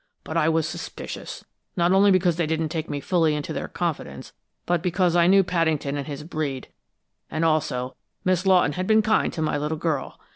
But I was suspicious, not only because they didn't take me fully into their confidence, but because I knew Paddington and his breed; and also, Miss Lawton had been kind to my little girl.